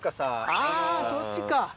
あぁそっちか。